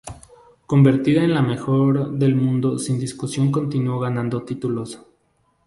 Convertida en la mejor del mundo sin discusión continuó ganando títulos.